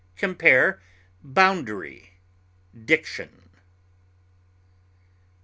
Compare BOUNDARY; DICTION.